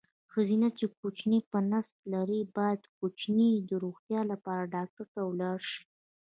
ښځېنه چې کوچینی په نس لري باید کوچیني د روغتیا لپاره ډاکټر ولاړ شي.